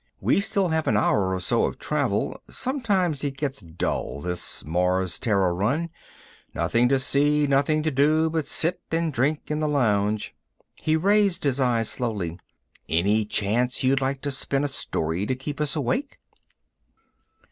"We still have an hour or so of travel. Sometimes it gets dull, this Mars Terra run. Nothing to see, nothing to do but sit and drink in the lounge." He raised his eyes slowly. "Any chance you'd like to spin a story to keep us awake?"